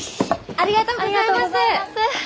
ありがとうございます！